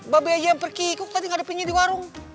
babi aja yang pergi kok tadi ngadepinnya di warung